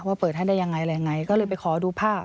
ว่าเปิดให้ได้ยังไงก็เลยไปขอดูภาพ